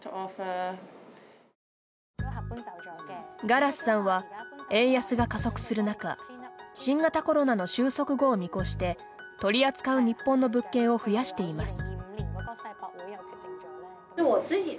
ガラスさんは円安が加速する中新型コロナの終息後を見越して取り扱う日本の物件を増やしています。